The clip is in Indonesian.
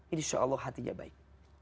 insya allah hatinya baik